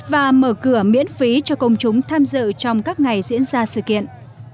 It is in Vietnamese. và mở cửa miễn phí cho công chúng tham dự trong các ngày diễn ra sự kiện